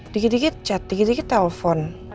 dikit dikit chat dikit dikit telepon